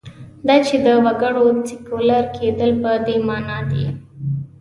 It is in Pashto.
دا چې د وګړو سیکولر کېدل په دې معنا دي.